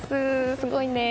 すごいね。